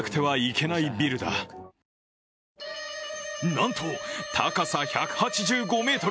なんと、高さ１８５ｍ。